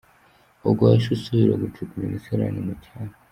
Ubwo wahise usubira gucukura imisarane mu cyaro?.